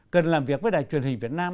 cần làm việc với đài truyền hình việt nam